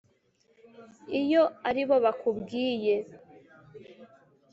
iyo ari bo bakubwiye”